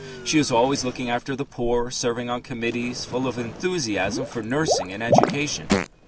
She is always looking after the poor, serving on committees, full of enthusiasm for nursing and education.